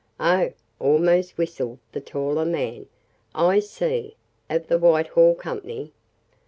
"Oh!" almost whistled the taller man. "I see; of the Whitehall Company?"